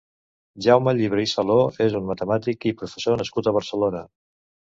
Jaume Llibre i Saló és un matemàtic i professor nascut a Barcelona.